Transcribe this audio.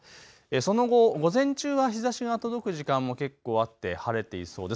その後、午前中は日ざしが届く時間も結構あって晴れていそうです。